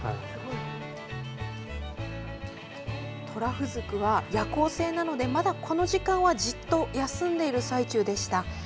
トラフズクは夜行性なのでまだ、この時間はじっと休んでいる最中でした。